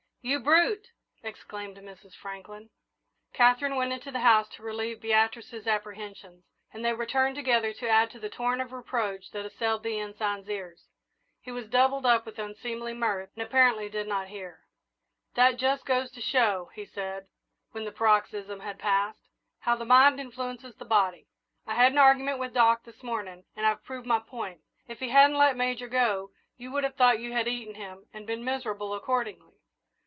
"You brute!" exclaimed Mrs. Franklin. Katherine went into the house to relieve Beatrice's apprehensions, and they returned together to add to the torrent of reproach that assailed the Ensign's ears. He was doubled up with unseemly mirth and apparently did not hear. "That just goes to show," he said, when the paroxysm had passed, "how the mind influences the body. I had an argument with Doc this morning, and I've proved my point. If he hadn't let Major go, you would have thought you had eaten him and been miserable accordingly.